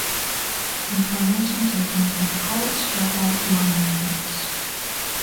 Information taken from "The College Dropout" liner notes.